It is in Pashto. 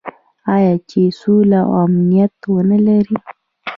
آیا چې سوله او امنیت ونلري؟